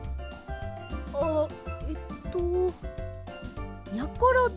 あっえっとやころです。